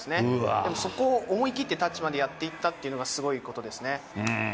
でもそこを思い切ってタッチまでやっていったっていうのが、すごいことですよね。